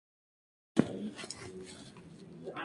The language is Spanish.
Warp desmaya a Buzz de un golpe.